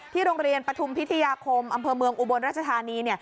โรงเรียนปฐุมพิทยาคมอำเภอเมืองอุบลราชธานี